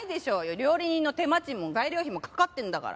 料理人の手間賃も材料費もかかってんだから。